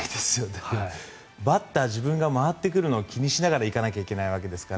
バッター、自分が回ってくるのを気にしながら行かなきゃいけないわけですから。